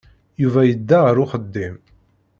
Yuba yedda ɣer uxeddim.